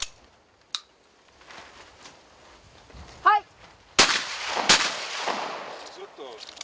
はい。